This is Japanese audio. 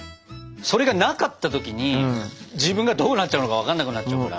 それがなかった時に自分がどうなっちゃうのか分かんなくなっちゃうから。